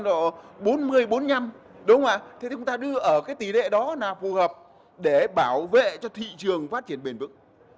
đúng không ạ thì chúng ta đưa ở cái tỷ lệ đó nào phù hợp để bảo vệ cho thị trường phát triển bền vững